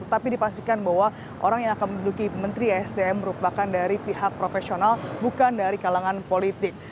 tetapi dipastikan bahwa orang yang akan menduduki menteri esdm merupakan dari pihak profesional bukan dari kalangan politik